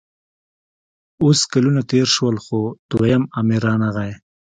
اوس کلونه تېر شول خو دویم امر رانغی